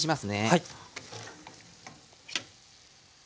はい。